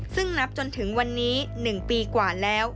ซึ่งนับจนถึงวันนี้๑ปีกว่าแล้ว